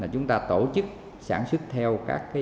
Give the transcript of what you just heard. chúng ta tổ chức sản xuất